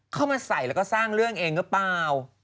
เข้ามาใส่แล้วก็สร้างเรื่องเองก็เปล่า